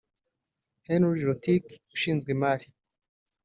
Henry Rotich ushinzwe imari